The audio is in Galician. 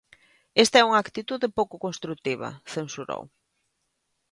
"Esta é unha actitude pouco construtiva", censurou.